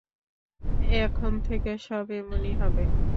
এখন থেকে সব এমনই হবে।